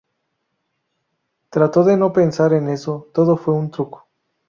Trato de no pensar en eso, todo fue un truco.